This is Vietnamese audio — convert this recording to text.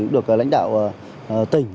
được lãnh đạo tỉnh